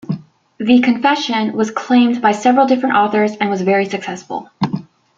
The "Confession" was claimed by several different authors and was very successful.